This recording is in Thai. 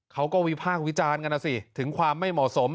วิพากษ์วิจารณ์กันนะสิถึงความไม่เหมาะสม